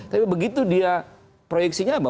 tapi begitu dia proyeksinya apa